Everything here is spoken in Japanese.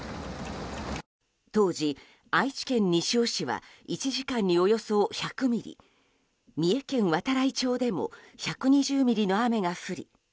当時、愛知県西尾市は１時間におよそ１００ミリ三重県度会町でも１２０ミリの雨が降り